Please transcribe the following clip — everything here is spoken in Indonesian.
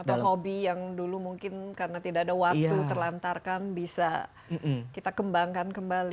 atau hobi yang dulu mungkin karena tidak ada waktu terlantarkan bisa kita kembangkan kembali